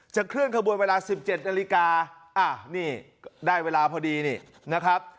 เคลื่อนขบวนเวลา๑๗นาฬิกานี่ได้เวลาพอดีนี่นะครับ